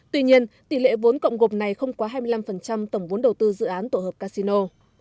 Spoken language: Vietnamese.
tuy nhiên tỷ lệ vốn cộng gộp này không quá hai mươi năm tổng vốn đầu tư dự án tổ hợp casino